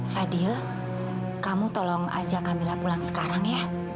fadil kamu tolong aja kamila pulang sekarang ya